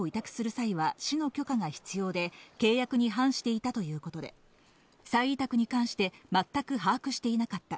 際は市の許可が必要で、契約に反していたということで、再委託に関して全く把握していなかった。